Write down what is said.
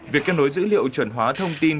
việc kết nối dữ liệu chuẩn hóa thông tin